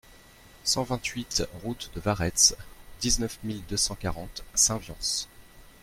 cent vingt-huit route de Varetz, dix-neuf mille deux cent quarante Saint-Viance